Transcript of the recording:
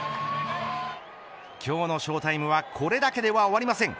今日のショータイムはこれだけでは終わりません。